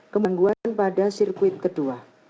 kemangguan pada sirkuit kedua